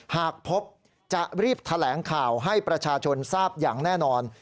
หากพบจะรีบแถลงข่าวให้ประชาชนทราบอย่างแน่นอน